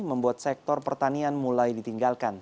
membuat sektor pertanian mulai ditinggalkan